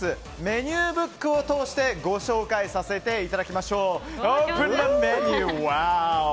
メニューブックを通してご紹介させていただきましょう。